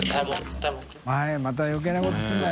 また余計なことするなよ。